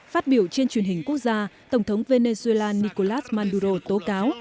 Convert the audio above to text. phát biểu trên truyền hình quốc gia tổng thống venezuela nicolás maduro tố cáo